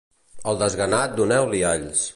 Al desganat, doneu-li alls.